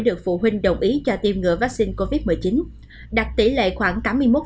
được phụ huynh đồng ý cho tiêm ngừa vaccine covid một mươi chín đạt tỷ lệ khoảng tám mươi một